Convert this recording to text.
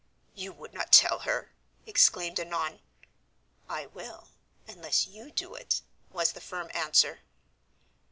"You would not tell her!" exclaimed Annon. "I will, unless you do it" was the firm answer.